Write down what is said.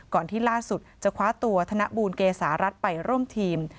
ที่ล่าสุดจะคว้าตัวธนบูลเกษารัฐไปร่วมทีม